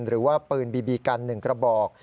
หรือว่าปืนบีบีกัน๑กระบอก